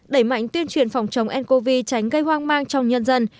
đẩy mạnh tuyên truyền phòng chống ncov tránh gây hoang mang trong nhân dân